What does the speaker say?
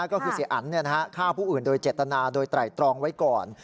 ก็คือเสียอันฆ่าผู้อื่นโดยเจตนาโดยไตรตรองไว้ก่อน